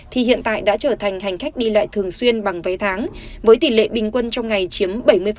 thì hiện tại đã trở thành hành khách đi lại thường xuyên bằng vé tháng với tỷ lệ bình quân trong ngày chiếm bảy mươi